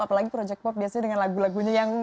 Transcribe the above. apalagi project pop biasanya dengan lagu lagunya yang